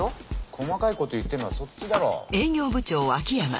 細かいこと言ってんのはそっちだろ。